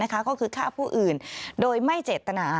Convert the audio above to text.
ก็คือฆ่าผู้อื่นโดยไม่เจตนา